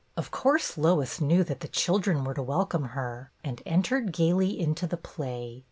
Of course Lois knew that the children were to welcome her, and entered gayly into the play.